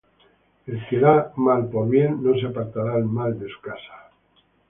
El que da mal por bien, No se apartará el mal de su casa.